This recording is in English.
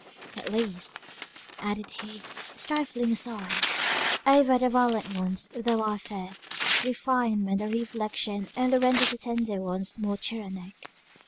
At least," added he, stifling a sigh, "over the violent ones, though I fear, refinement and reflection only renders the tender ones more tyrannic.